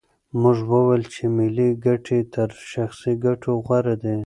موږ وویل چې ملي ګټې تر شخصي ګټو غوره دي.